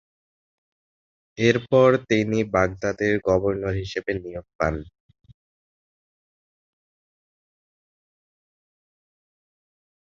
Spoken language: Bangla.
এরপর তিনি বাগদাদের গভর্নর হিসেবে নিয়োগ পান।